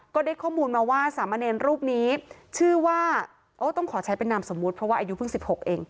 ก็ได้ข้อมูลมาว่าสามเณรรูปนี้ชื่อว่าโอ้ต้องขอใช้เป็นนามสมมุติเพราะว่าอายุเพิ่ง๑๖เอง